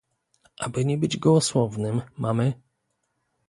Aby nie być gołosłownym, mamy